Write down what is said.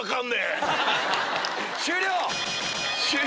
終了！